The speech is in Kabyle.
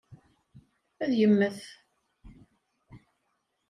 Ad yemmet.